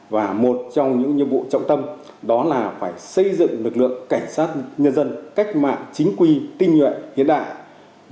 và một trong những nhiệm vụ trọng tâm đó là phải xây dựng lực lượng cảnh sát nhân dân cách mạng chính quy tinh nguyện hiện đại